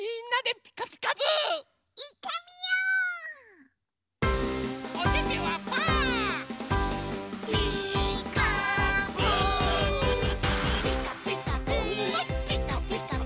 「ピカピカブ！ピカピカブ！」